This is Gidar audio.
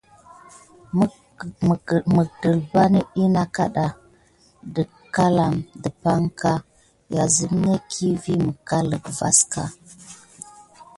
Mahəlfa net ɗyi nakaɗa tayəckal dəpaŋka, ya zət necki vi əlma vanəska.